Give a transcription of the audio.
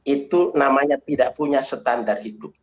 itu namanya tidak punya standar hidup